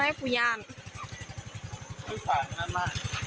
โอ้ปุญา